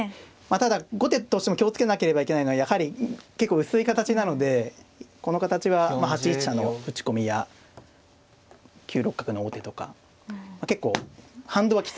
ただ後手としても気を付けなければいけないのはやはり結構薄い形なのでこの形は８一飛車の打ち込みや９六角の王手とか結構反動はきついですからね。